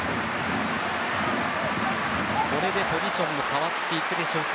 これでポジションも変わっていくでしょうか。